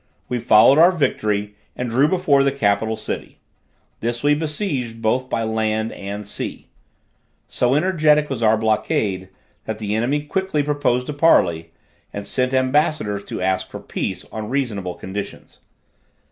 We followed our victory, and drew before the capital city; this we besieged both by land and sea. So energetic was our blockade, that the enemy quickly proposed a parley, and sent ambassadors to ask for peace on reasonable conditions.